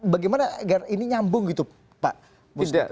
bagaimana agar ini nyambung gitu pak musda